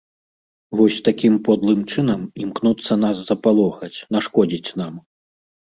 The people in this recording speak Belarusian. Вось такім подлым чынам імкнуцца нас запалохаць, нашкодзіць нам.